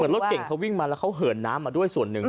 รถเก่งเขาวิ่งมาแล้วเขาเหินน้ำมาด้วยส่วนหนึ่ง